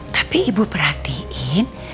tapi ibu perhatiin